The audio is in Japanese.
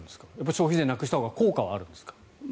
消費税なくしたほうが効果はあるんですか？